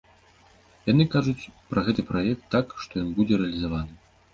Яны кажуць пра гэты праект так, што ён будзе рэалізаваны.